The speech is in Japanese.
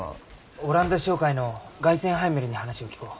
オランダ商会のガイセンハイメルに話を聞こう。